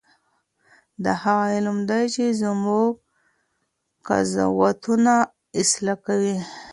دا هغه علم دی چې زموږ قضاوتونه اصلاح کوي.